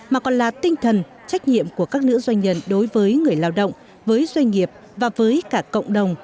mà còn là tinh thần trách nhiệm của các nữ doanh nhân đối với người lao động với doanh nghiệp và với cả cộng đồng